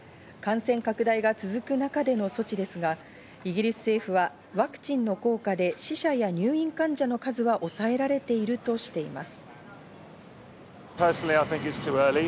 感染拡大が続く中での措置ですが、イギリス政府はワクチンの効果で死者や入院患者の数は抑えられているとしています。